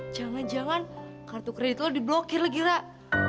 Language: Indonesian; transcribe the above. jangan jangan kartu kredit lo diblokir lagi mbak